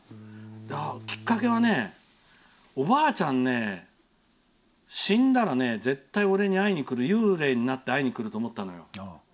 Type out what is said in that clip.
きっかけはおばあちゃんね、死んだら絶対俺に幽霊になって会いに来ると思ったのよ。